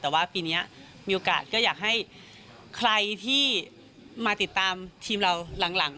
แต่ว่าปีนี้มีโอกาสก็อยากให้ใครที่มาติดตามทีมเราหลัง